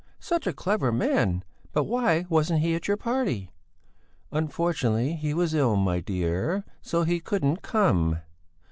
Such a clever man! But why wasn't he at your party?" "Unfortunately he was ill, my dear; so he couldn't come."